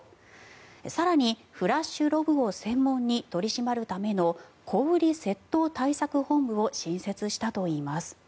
更に、フラッシュロブを専門に取り締まるための小売り窃盗対策本部を新設したといいます。